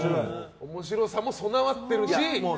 面白さも備わってるし、歌声も。